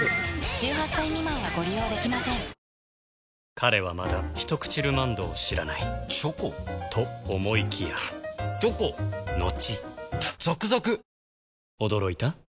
彼はまだ「ひとくちルマンド」を知らないチョコ？と思いきやチョコのちザクザク！